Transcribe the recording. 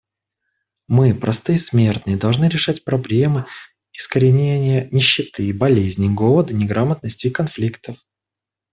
Мы, простые смертные, должны решать проблемы искоренения нищеты, болезней, голода, неграмотности и конфликтов.